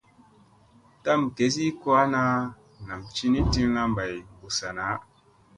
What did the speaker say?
Tam gesi ko ana nam cini tilla bay ɓussa naa.